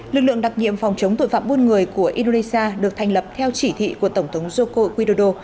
lực lượng đặc nhiệm phòng chống tội phạm buôn người của indonesia được thành lập theo chỉ thị của tổng thống joko widodo